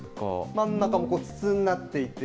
真ん中が筒になっていて。